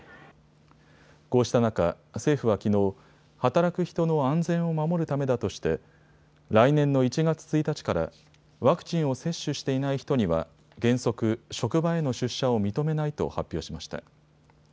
こうした中、政府はきのう、働く人の安全を守るためだとして来年の１月１日からワクチンを接種していない人には原則、職場への出社を認めないと発表しました。